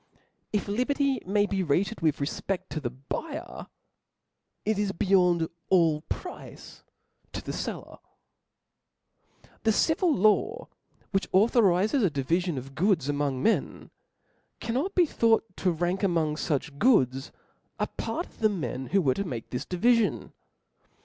If liberty may be rated with refpe£fc CO the buyer* it is beyond all price to the fellen The civil law^ which authorizes a divifion of goods among men, cannot be thought to rank among fu<th goodS) a part of the men who were to make this divifion.